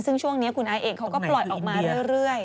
ซึ่งช่วงนี้คุณไอซ์เองเขาก็ปล่อยออกมาเรื่อย